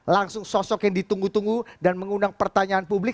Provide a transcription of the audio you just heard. langsung sosok yang ditunggu tunggu dan mengundang pertanyaan publik